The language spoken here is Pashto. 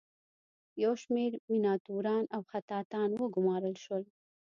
یو شمیر میناتوران او خطاطان وګومارل شول.